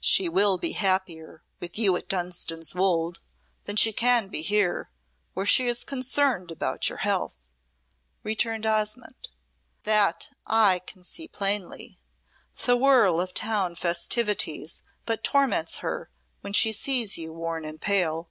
"She will be happier with you at Dunstan's Wolde than she can be here, where she is concerned about your health," returned Osmonde. "That I can see plainly. The whirl of town festivities but torments her when she sees you worn and pale."